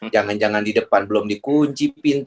jangan jangan di depan belum dikunci pintu